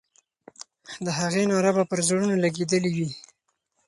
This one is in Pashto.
د هغې ناره به پر زړونو لګېدلې وي.